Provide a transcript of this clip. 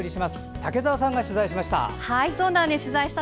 竹澤さんが取材しました。